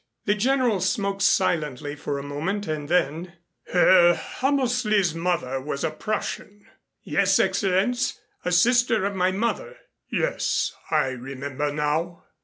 The General smoked silently for a moment, and then: "Herr Hammersley's mother was a Prussian?" "Yes, Excellenz, a sister of my mother " "Yes, I remember now.